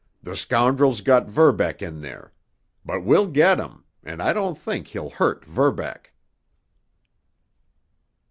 "The scoundrel's got Verbeck in there. But we'll get 'em—and I don't think he'll hurt Verbeck."